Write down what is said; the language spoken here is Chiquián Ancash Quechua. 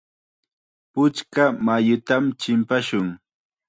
Puchka mayutam chimpashun.